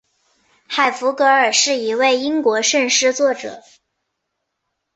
海弗格尔是一位英国圣诗作者。